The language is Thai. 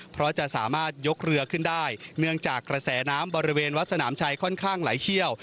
เพราะจะสามารถยกเรือขึ้นได้เนื่องจากกระแสน้ำบริเวณวัดสนามชัยค่อนข้างไหลเชี่ยว